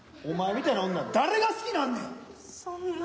お前みたいな女誰が好きになんねん。